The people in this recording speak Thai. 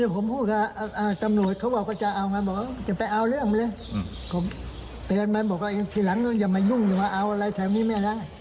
ผมเตือนมาบอกว่าทีหลังอย่ามายุ่งอย่ามาเอาอะไรแถวนี้ไม่แล้ว